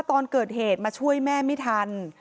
ตอนเกิดเหตุมาช่วยแม่ไม่ทัน